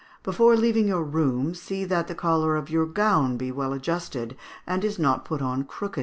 Before leaving your room, see that the collar of your gown be well adjusted and is not put on crooked."